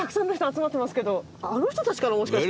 あの人たちかなもしかして。